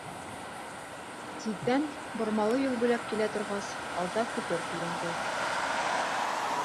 Тиҙҙән, бормалы юл буйлап килә торғас, алда күпер күренде.